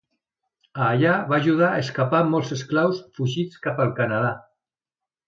A allà va ajudar a escapar molts esclaus fugitius cap al Canadà.